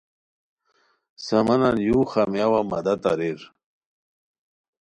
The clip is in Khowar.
سامانن یو خامییاوا مدد اریر